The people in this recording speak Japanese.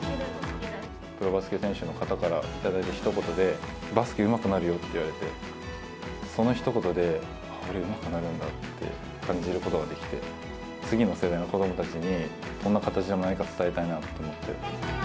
プロバスケ選手の方から頂いたひと言で、バスケうまくなるよって言われて、そのひと言で、俺、うまくなるんだって感じることができて、次の世代の子どもたちに、どんな形でも何か伝えたいなと思って。